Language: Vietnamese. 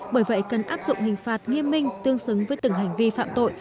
bởi vậy cần áp dụng hình phạt nghiêm minh tương xứng với từng hành vi phạm tội